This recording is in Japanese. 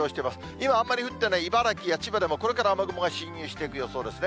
今、あんまり降っていない茨城や千葉でも、これから雨雲が進入していく予想ですね。